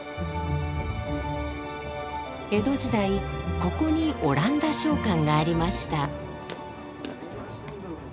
江戸時代ここにオランダ商館がありました。